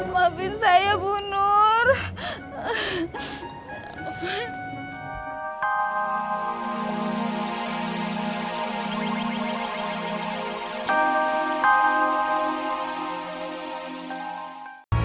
mami saya jadi basah